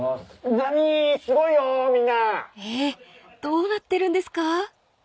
どうなってるんですか？］